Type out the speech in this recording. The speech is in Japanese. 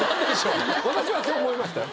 私はそう思いましたよ。